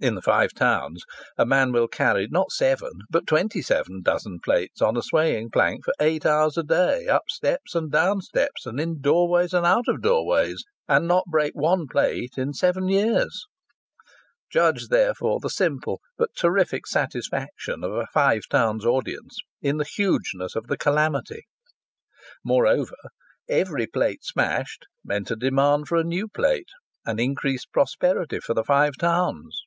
In the Five Towns a man will carry not seven but twenty seven dozen plates on a swaying plank for eight hours a day up steps and down steps, and in doorways and out of doorways, and not break one plate in seven years! Judge, therefore, the simple but terrific satisfaction of a Five Towns audience in the hugeness of the calamity. Moreover, every plate smashed means a demand for a new plate and increased prosperity for the Five Towns.